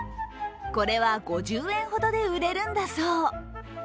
これは５０円ほどで売れるんだそう。